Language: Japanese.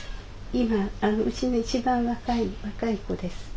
今うちの一番若い子です。